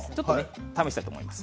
試したいと思います。